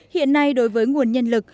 hiện nay đối với nguồn nhân lực